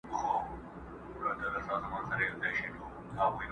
چي يې مور شېردل ته ژبه ورنژدې کړه٫